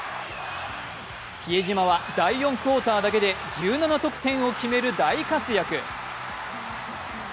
比江島は第４クオーターだけで１７得点を決める大活躍。